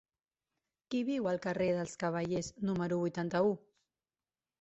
Qui viu al carrer dels Cavallers número vuitanta-u?